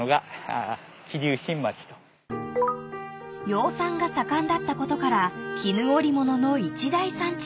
［養蚕が盛んだったことから絹織物の一大産地に］